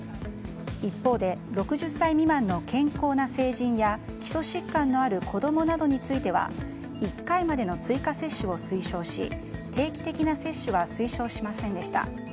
一方で６０歳未満の健康な成人や基礎疾患のある子供などについては１回までの追加接種を推奨し定期的な接種は推奨しませんでした。